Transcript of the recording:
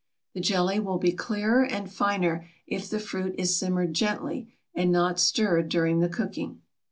The jelly will be clearer and finer if the fruit is simmered gently and not stirred during the cooking.